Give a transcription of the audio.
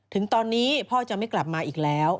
ถึงตอนนี้พ่อจะไม่กลับมาอีกแล้ว